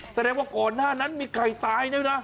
แสดงว่าก่อนหน้านั้นมีไก่ตายด้วยนะ